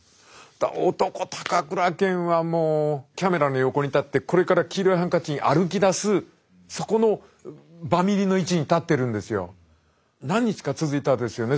男高倉健はもうキャメラの横に立ってこれから黄色いハンカチに歩きだすそこの何日か続いたですよね。